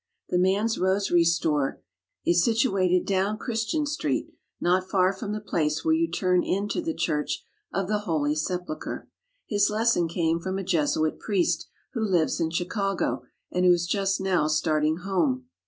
The man's rosary store is situated down Christian Street, not far from the place where you turn in to the Church of the Holy Sepulchre. His lesson came from a Jesuit priest, who lives in Chicago, and who is just now starting home.